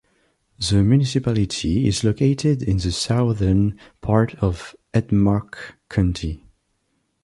The municipality is located in the southern part of Hedmark county.